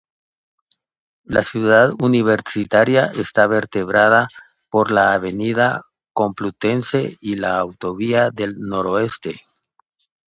La Ciudad Universitaria está vertebrada por la Avenida Complutense y la autovía del Noroeste.